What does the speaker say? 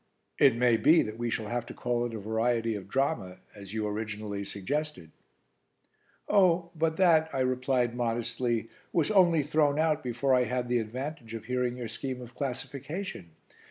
It may be that we shall have to call it a variety of drama, as you originally suggested." "Oh, but that," I replied modestly, "was only thrown out before I had the advantage of hearing your scheme of classification.